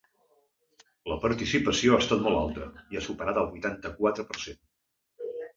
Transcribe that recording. La participació ha estat molt alta i ha superat el vuitanta-quatre per cent.